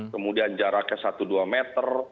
kemudian jaraknya satu dua meter